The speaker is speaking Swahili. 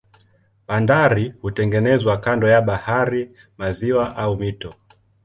Bandari hutengenezwa kando ya bahari, maziwa au mito.